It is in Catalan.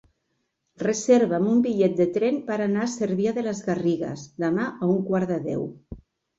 Reserva'm un bitllet de tren per anar a Cervià de les Garrigues demà a un quart de deu.